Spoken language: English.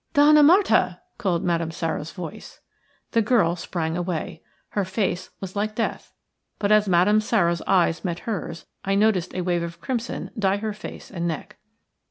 "Donna Marta!" called Madame Sara's voice. The girl sprang away. Her face was like death; but as Madame Sara's eyes met hers I noticed a wave of crimson dye her face and neck.